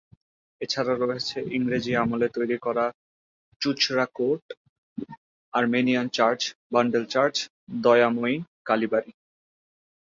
এছাড়া রয়েছে ইংরেজ আমলে তৈরি করা চুঁচুড়া court, Armenian church, Bandel church, Dayamayi কালীবাড়ি।